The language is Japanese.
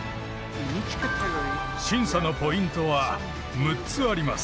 審査のポイントは６つあります。